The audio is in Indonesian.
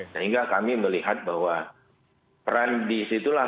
sehingga kami melihat bahwa peran disitulah